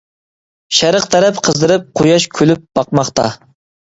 شەرق تەرەپ قىزىرىپ، قۇياش كۈلۈپ باقماقتا.